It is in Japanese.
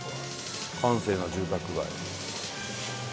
閑静な住宅街。